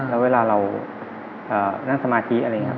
และเวลาเรานั่งสมาธิ